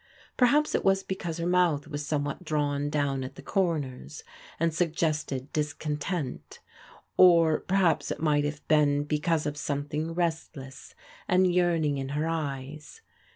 Peiiiaps it was because her mouth was somewhat drawn^ down at tfie comers, and suggested dis content ; or peiiiaps it might have been because of some thing restless and yearning in her eyes.